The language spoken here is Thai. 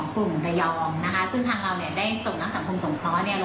องค์ภูวิวัฒน์จังหวัดนครรศรีนานะคะ